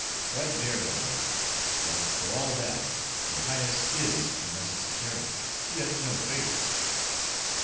"Right there, my lord. But, for all that, your highness is a Necessitarian, yet no Fatalist.